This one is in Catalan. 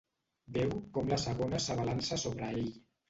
Veu com la segona s'abalança sobre ell.